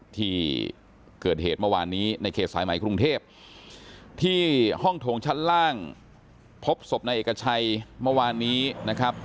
ที่เกิดเหตุเมื่อวานนี้ในเขตสายใหม่กรุงเทพที่ห้องทงชั้นล่างพบศพนายเอกชัยเมื่อวานนี้นะครับ